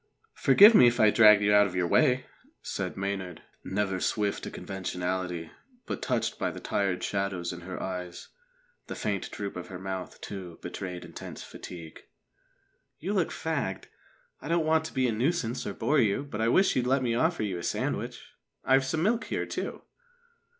"Forgive me if I dragged you out of your way," said Maynard, never swift to conventionality, but touched by the tired shadows in her eyes. The faint droop of her mouth, too, betrayed intense fatigue. "You look fagged. I don't want to be a nuisance or bore you, but I wish you'd let me offer you a sandwich. I've some milk here, too."